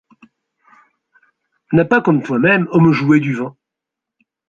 N’a pas comme toi-même, homme jouet du vent